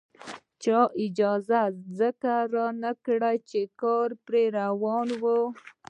چا اجازه ځکه رانکړه چې کار پرې روان وو.